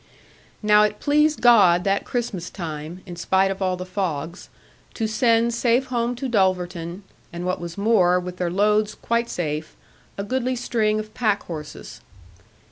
Now it pleased God that Christmas time (in spite of all the fogs) to send safe home to Dulverton, and what was more, with their loads quite safe, a goodly string of packhorses.